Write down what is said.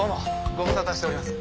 ご無沙汰しております。